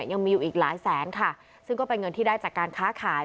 ยังมีอยู่อีกหลายแสนค่ะซึ่งก็เป็นเงินที่ได้จากการค้าขาย